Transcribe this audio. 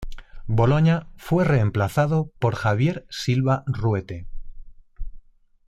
Boloña fue reemplazado por Javier Silva Ruete.